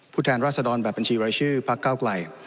ผู้แทนราศดรแบบบัญชีรายชื่อพระเก้าไก่